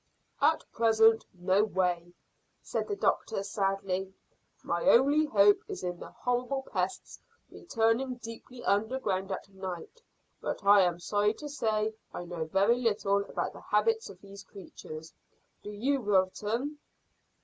"At present no way," said the doctor sadly. "My only hope is in the horrible pests returning deeply underground at night; but I am sorry to say I know very little about the habits of these creatures. Do you, Wilton?"